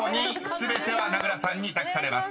全ては名倉さんに託されます］